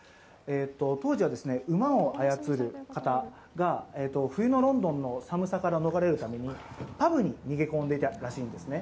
当時は馬を操る方が冬のロンドンの寒さから逃れるためにパブに逃げ込んでいたらしいんですね。